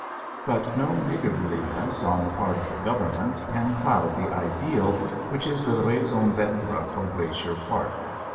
But no niggardliness on the part of the Government can cloud the ideal which is the raison d'être for Glacier Park.